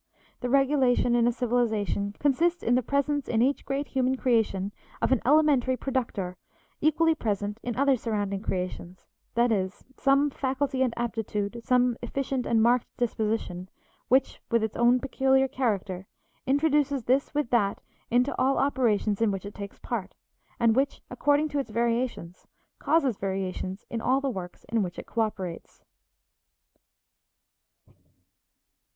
The regulation in a civilization consists in the presence in each great human creation of an elementary productor equally present in other surrounding creations, that is, some faculty and aptitude, some efficient and marked disposition, which, with its own peculiar character, introduces this with that into all operations in which it takes part, and which, according to its variations, causes variation in all the works in which it coöperates.